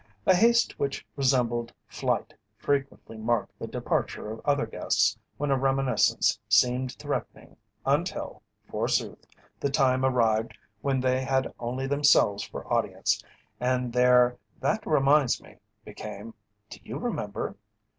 A haste which resembled flight frequently marked the departure of other guests when a reminiscence seemed threatening until, forsooth, the time arrived when they had only themselves for audience and their "That reminds me" became "Do you remember?"